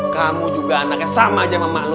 kamu juga anaknya sama aja sama emak lu